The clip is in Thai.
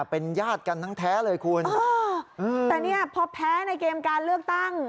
เป็นญาติกันทั้งแท้เลยคุณแต่เนี่ยพอแพ้ในเกมการเลือกตั้ง